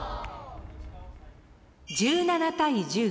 １７対１０。